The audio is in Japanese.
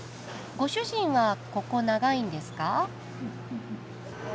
ご主人はここ長いんですか？